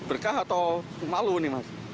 berkah atau malu nih mas